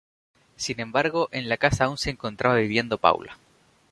Sin embargo, en la casa aún se encontraba viviendo Paula.